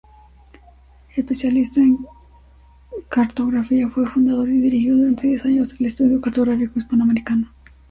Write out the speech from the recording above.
Especialista en cartografía, fue fundador y dirigió durante diez años el "Estudio cartográfico Hispano-Americano".